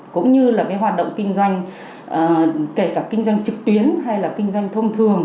cũng như là cái hoạt động kinh doanh kể cả kinh doanh trực tuyến hay là kinh doanh thông thường